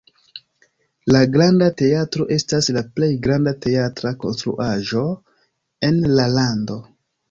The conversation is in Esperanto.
La Granda Teatro estas la plej granda teatra konstruaĵo en la lando.